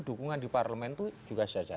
dukungan di parlemen itu juga saja